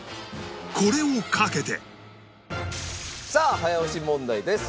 これを懸けてさあ早押し問題です。